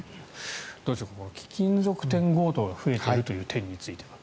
貴金属店強盗が増えているという点については。